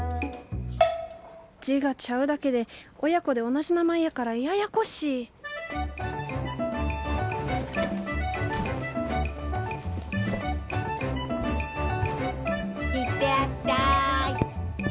字がちゃうだけで親子で同じ名前やからややこしい行ってらっしゃい！